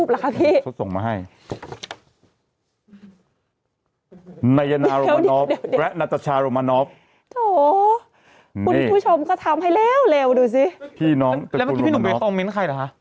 และแม่นี้พี่หนุ่มจะไพร่คอมเมนต์ใครหรือว่าคะ